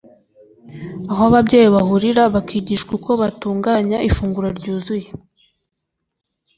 aho ababyeyi bahurira bakigishwa uko batunganya ifunguro ryuzuye